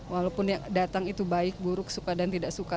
walaupun yang datang itu baik buruk suka dan tidak suka